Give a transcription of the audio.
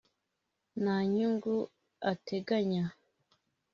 nta nyungu ateganya